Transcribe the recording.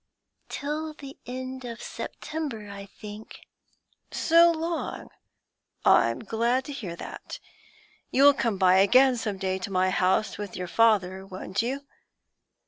'Till the end of September, I think.' 'So long? I'm glad to hear that. You will come again some day to my house with your father, won't you?'